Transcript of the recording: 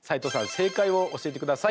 正解を教えてください。